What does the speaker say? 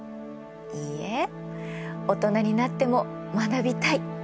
いいえ大人になっても学びたい。